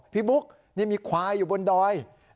บุ๊กนี่มีควายอยู่บนดอย